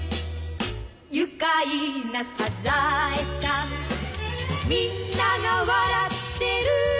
「愉快なサザエさん」「みんなが笑ってる」